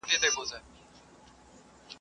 دوست اشارې ته ګوري او دښمن وارې ته ,